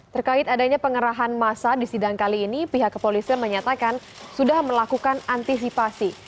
terkait adanya pengerahan masa di sidang kali ini pihak kepolisian menyatakan sudah melakukan antisipasi